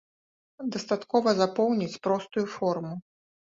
Дастаткова запоўніць простую форму.